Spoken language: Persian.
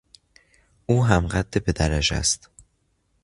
او هم قد پدرش است.